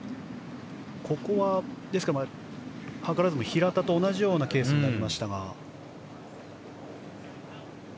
ここは図らずも平田と同じようなケースになりましたが。